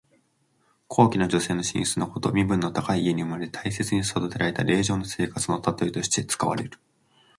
高貴な女性の寝室のこと。身分の高い家に生まれて大切に育てられた令嬢の生活のたとえとして使われる。